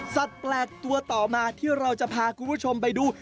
แปลกตัวต่อมาที่เราจะพาคุณผู้ชมไปดู